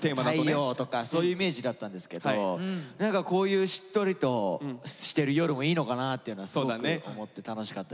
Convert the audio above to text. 「太陽」とかそういうイメージだったんですけど何かこういうしっとりとしてる夜もいいのかなっていうのはすごく思って楽しかったです。